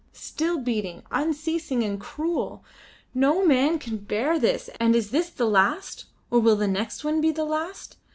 Still beating unceasing and cruel. No man can bear this; and is this the last, or will the next one be the last?